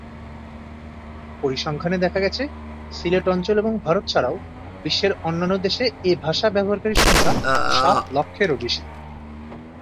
এক পরিসংখ্যানে দেখা গেছে, সিলেট অঞ্চল এবং ভারত ছাড়াও বিশ্বের অন্যান্য দেশে এ ভাষা ব্যবহারকারীর সংখ্যা সাত লক্ষেরও বেশি।